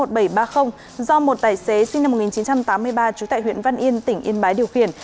do một tài xế sinh năm một nghìn chín trăm tám mươi ba trú tại huyện văn yên tỉnh yên bái điều khiển